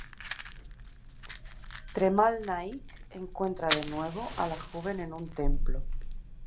Tremal-Naik encuentra de nuevo a la joven en un templo.